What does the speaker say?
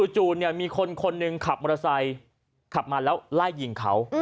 มีคนคนหนึ่งขับมอเตอร์ไซค์ขับมาแล้วไล่ยิงเขา